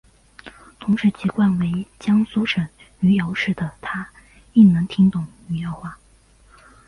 同时籍贯为浙江省余姚市的她亦能听懂余姚话。